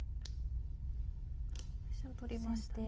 飛車を取りましたね。